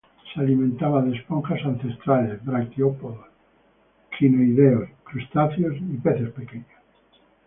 Se alimentaba de esponjas ancestrales, braquiópodos, crinoideos, crustáceos y peces pequeños.